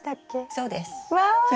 そうです。わ！